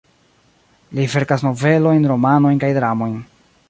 Li verkas novelojn, romanojn kaj dramojn.